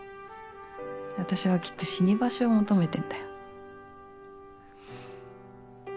私はきっと死に場所を求めてんだよ。